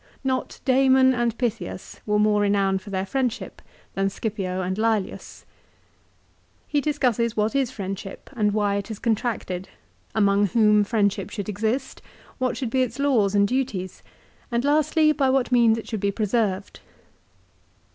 Not Damon and Pythias were more renowned for their friendship than Scipio and Lselius. He discusses what is friendship, and why it is contracted ; among whom friendship should exist ; what should be its laws and duties, and lastly by what means it should be preserved.